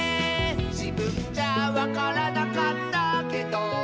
「じぶんじゃわからなかったけど」